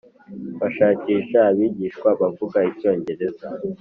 Bashakisha abigishwa bavuga icyongereza